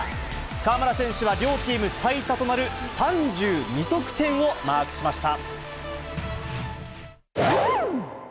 河村選手は両チーム最多となる３２得点をマークしました。